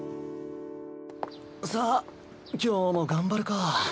さあ今日も頑張るか。